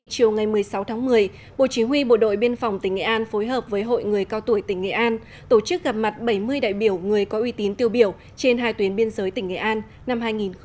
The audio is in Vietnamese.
chiều ngày một mươi sáu tháng một mươi bộ chí huy bộ đội biên phòng tỉnh nghệ an phối hợp với hội người cao tuổi tỉnh nghệ an tổ chức gặp mặt bảy mươi đại biểu người có uy tín tiêu biểu trên hai tuyến biên giới tỉnh nghệ an năm hai nghìn một mươi chín